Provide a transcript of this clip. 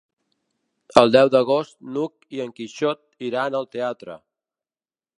El deu d'agost n'Hug i en Quixot iran al teatre.